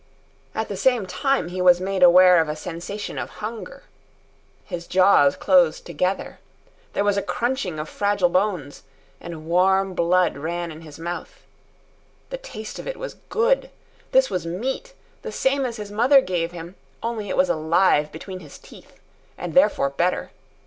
At the same time he was made aware of a sensation of hunger. His jaws closed together. There was a crunching of fragile bones, and warm blood ran in his mouth. The taste of it was good. This was meat, the same as his mother gave him, only it was alive between his teeth and therefore better.